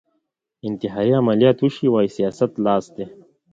انتحاري عملیات وشي وايي سیاست لاس دی